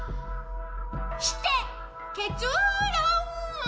して結論は！？